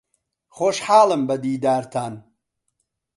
خۆشحاڵم بە دیدارتان.